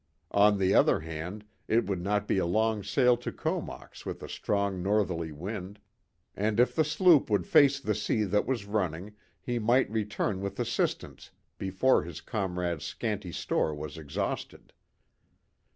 On the other hand, it would not be a long sail to Comox with a strong northerly wind; and if the sloop would face the sea that was running he might return with assistance before his comrade's scanty store was exhausted.